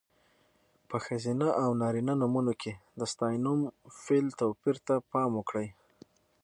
په ښځینه او نارینه نومونو کې د ستاینوم، فعل... توپیر ته پام وکړئ.